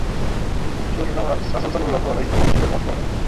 রাসূলুল্লাহ সাল্লাল্লাহু আলাইহি ওয়াসাল্লাম যোহরের নামায পড়ালেন।